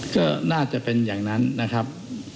ก็น่าจะเป็นอย่างนั้นนะครับ